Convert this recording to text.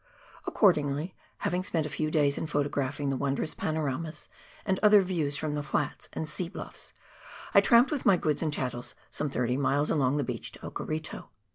Accordingly, having spent a few days in photographing the wondrous panoramas and other views from the flats and sea bluffs, I tramped with my goods and chattels some thirty miles along the beach to Okarito.